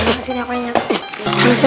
buka sini aku lagi nyatuk